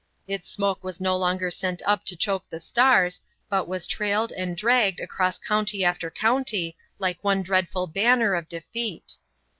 Its smoke was no longer sent up to choke the stars, but was trailed and dragged across county after county like one dreadful banner of defeat.